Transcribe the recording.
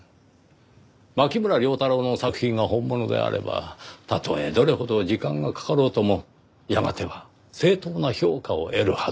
牧村遼太郎の作品が本物であればたとえどれほど時間がかかろうともやがては正当な評価を得るはず。